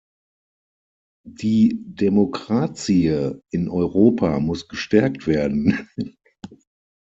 Die Demokratie in Europa muss gestärkt werden.